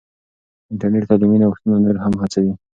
انټرنیټ تعلیمي نوښتونه نور هم هڅوي.